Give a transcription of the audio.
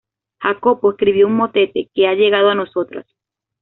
Jacopo escribió un motete, que ha llegado a nosotros.